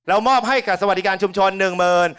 มอบให้กับสวัสดิการชุมชน๑หมื่น